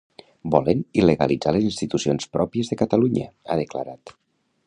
Volen il·legalitzar les institucions pròpies de Catalunya, ha declarat.